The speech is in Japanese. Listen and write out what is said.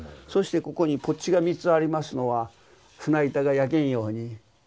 そしてここにぽっちが３つありますのは船板が焼けんように。